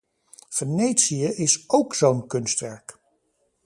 Venetië is ook zo'n kunstwerk.